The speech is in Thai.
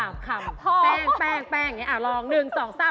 อ้าวแล้ว๓อย่างนี้แบบไหนราคาถูกที่สุด